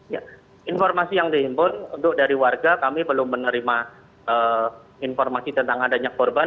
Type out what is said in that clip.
ya informasi yang dihimpun untuk dari warga kami belum menerima informasi tentang adanya korban